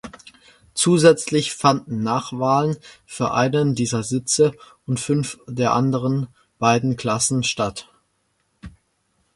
Zusätzlich fanden Nachwahlen für einen dieser Sitze und fünf der anderen beiden Klassen statt.